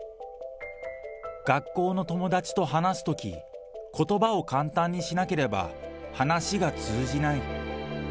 学校の友達と話すとき、ことばを簡単にしなければ話が通じない。